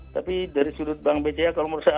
tapi dari sudut bank bca kalau menurut saya